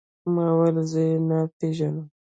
ما وويل زه يې نه پېژنم.